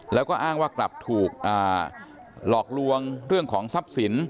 แล้วก็อ้างว่ากลับถูกหลอกลวงเรื่องของทรัพย์สิน